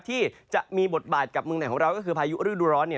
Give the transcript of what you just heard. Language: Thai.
ที่จะมีบทบาทกับเมืองแหน่งของเราก็คือพายุอรึดร้อนเนี้ย